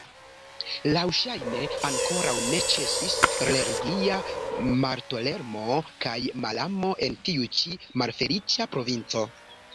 Laŭŝajne ankoraŭ ne ĉesis religia maltoleremo kaj malamo en tiu ĉi malfeliĉa provinco.